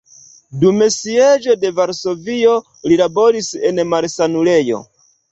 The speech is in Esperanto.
Dum sieĝo de Varsovio li laboris en malsanulejo.